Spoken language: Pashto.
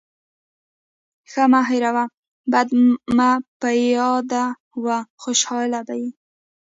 ښه مه هېروه، بد مه پیاده وه. خوشحاله به يې.